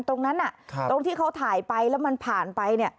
ตรงนั้นตรงที่เขาถ่ายไปแล้วมันผ่านไปเนี่ย